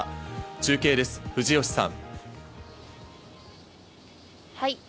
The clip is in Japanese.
中継です、藤吉さん。